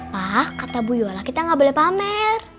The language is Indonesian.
wah kata bu yola kita gak boleh pamer